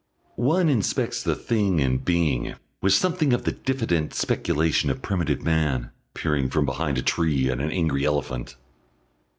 One inspects the Thing in Being with something of the diffident speculation of primitive man, peering from behind a tree at an angry elephant.